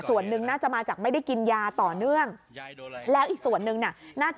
ส่วนหนึ่งน่าจะมาจากไม่ได้กินยาต่อเนื่องแล้วอีกส่วนนึงน่ะน่าจะ